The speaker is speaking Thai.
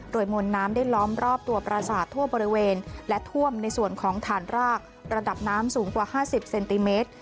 โดยมวลน้ำได้ล้อมรอบตัวประสาททั่วบริเวณและท่วมในส่วนของฐานรากระดับน้ำสูงกว่า๕๐เซนติเมตร